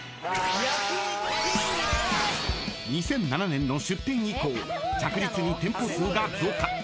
［２００７年の出店以降着実に店舗数が増加］